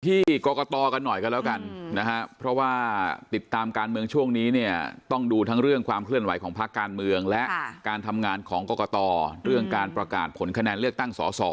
ที่กรกตกันหน่อยกันแล้วกันนะครับเพราะว่าติดตามการเมืองช่วงนี้เนี่ยต้องดูทั้งเรื่องความเคลื่อนไหวของพักการเมืองและการทำงานของกรกตเรื่องการประกาศผลคะแนนเลือกตั้งสอสอ